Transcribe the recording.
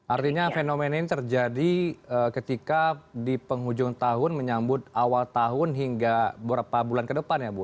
artinya fenomena ini terjadi ketika di penghujung tahun menyambut awal tahun hingga berapa bulan ke depan ya bu